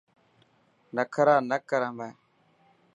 نکرا نه ڪر همي.